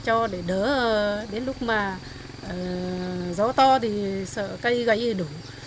đường dây điện rất là to để đỡ đến lúc mà gió to thì sợ cây gây đủ